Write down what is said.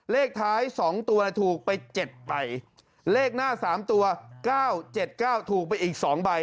เลขท้าย๒ตัวถูกไป๗ใบเลขหน้า๓ตัว๙๗๙ถูกไปอีก๒ใบ